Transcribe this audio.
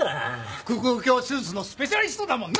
腹腔鏡手術のスペシャリストだもんな！